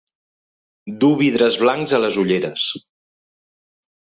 Dur vidres blancs a les ulleres.